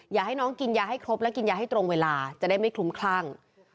อยากให้น้องกินยาให้ครบและกินยาให้ตรงเวลาจะได้ไม่คลุ้มคลั่ง